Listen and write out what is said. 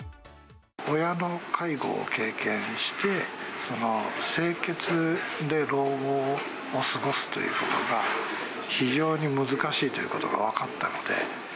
親の介護を経験して、清潔で老後を過ごすということが、非常に難しいということが分かったので。